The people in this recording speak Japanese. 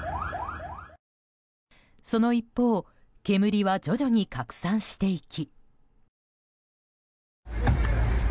その一方煙は徐々に拡散していき。